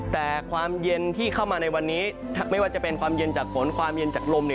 แต่ความเย็นที่เข้ามาในวันนี้ไม่ว่าจะเป็นความเย็นจากฝนความเย็นจากลม